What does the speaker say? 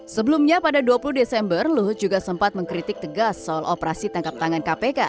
sebelumnya pada dua puluh desember luhut juga sempat mengkritik tegas soal operasi tangkap tangan kpk